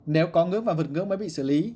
nếu có ngưỡng và vượt ngưỡng mới bị xử lý